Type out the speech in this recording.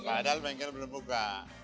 padahal bengkel belum buka